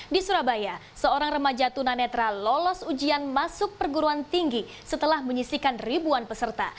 di surabaya seorang remaja tunanetra lolos ujian masuk perguruan tinggi setelah menyisikan ribuan peserta